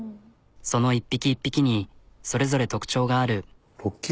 その一匹一匹にそれぞれ特徴がある。